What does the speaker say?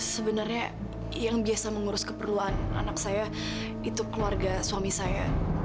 sebenarnya yang biasa mengurus keperluan anak saya itu keluarga suami saya